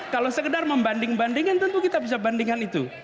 kalau sekedar membanding bandingkan tentu kita bisa bandingkan itu